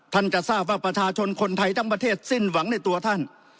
จะทราบว่าประชาชนคนไทยทั้งประเทศสิ้นหวังในตัวท่าน